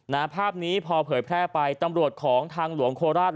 ภาพนี้พอเผยแพร่ไปตำรวจของทางหลวงโคราช